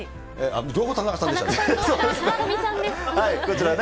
両方田中さんでしたね。